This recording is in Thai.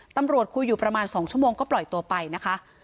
ตำรวจคุยอยู่ประมาณ๒ชั่วโมงก็ปล่อยตัวไปนะคะ